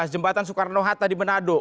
jembatan soekarno hatta di manado